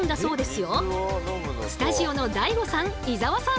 スタジオのＤＡＩＧＯさん伊沢さん